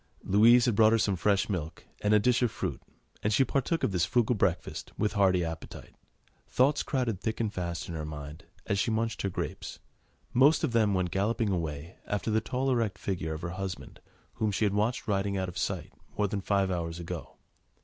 Louise had brought her some fresh milk and a dish of fruit, and she partook of this frugal breakfast with hearty appetite. Thoughts crowded thick and fast in her mind as she munched her grapes; most of them went galloping away after the tall, erect figure of her husband, whom she had watched riding out of sight more than five hours ago.